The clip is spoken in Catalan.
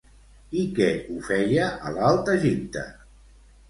I què ho feia a l'Alt Egipte?